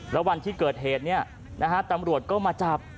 แล้ววันที่เกิดเหตุเนี่ยนะคะตำรวจก็มาจับ